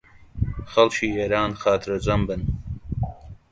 خەڵکی ئێران خاترجەم بن